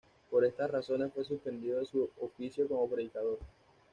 Por estas razones fue suspendido de su oficio como predicador.